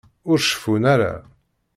Ur ceffun ara.